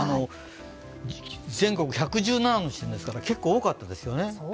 全国１１７の地点ですから結構多かったですよね。